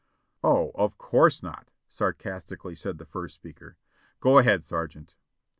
"Oh, of course not !" sarcastically said the first speaker. "Go ahead, sergeant."